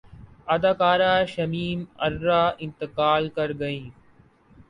اداکارہ شمیم ارا انتقال کرگئیں